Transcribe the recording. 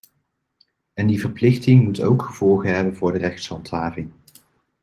En die verplichting moet ook gevolgen hebben voor de rechtshandhaving.